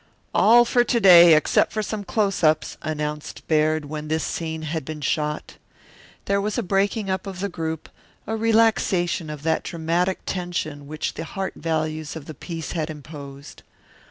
"All for to day, except some close ups," announced Baird when this scene had been shot. There was a breaking up of the group, a relaxation of that dramatic tension which the heart values of the piece had imposed.